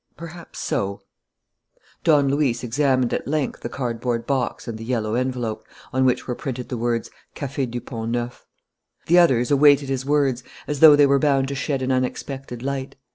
"Perhaps so " Don Luis examined at length the cardboard box and the yellow envelope, on which were printed the words, "Café du Pont Neuf." The others awaited his words as though they were bound to shed an unexpected light.